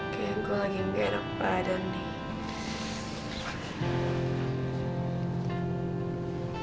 kayak gue lagi enggak enak pada nih